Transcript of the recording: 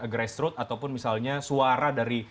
grassroot ataupun misalnya suara dari